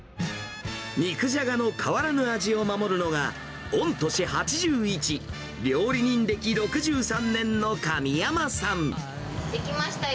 肉じゃがの変わらぬ味を守るのが、御年８１、できましたよ。